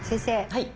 はい。